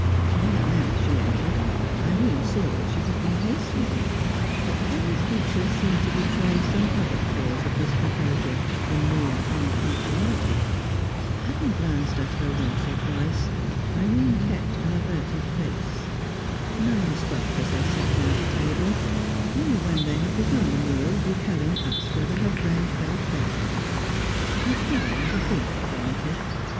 When at length she entered, Irene saw she had been hastening; but Helen's features seemed to betray some other cause of discomposure than mere unpunctuality. Having glanced at her once or twice, Irene kept an averted face. Neither spoke as they sat down to table; only when they had begun the meal did Helen ask whether her friend felt better. The reply was a brief affirmative.